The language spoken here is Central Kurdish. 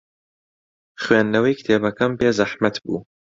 خوێندنەوەی کتێبەکەم پێ زەحمەت بوو.